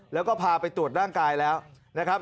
แล้วก็พาไปตรวจร่างกายแล้วนะครับ